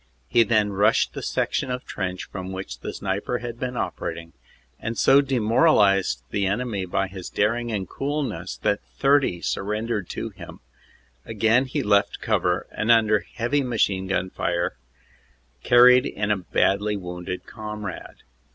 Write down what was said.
He then rushed the section of trench from which the sniper had been operating, and so demoralized the enemy by his daring and coolness that 30 surrendered to him, Again he left cover and under heavy machine gun fire carried in a badly wounded comrade.